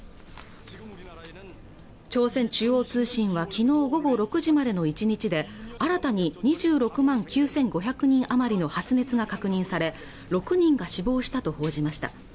朝鮮中央通信はきのう午後６時までの１日で新たに２６万９５００人余りの発熱が確認され６人が死亡したと報じました